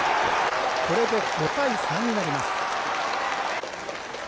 これで５対３になります。